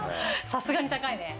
さすがに高いね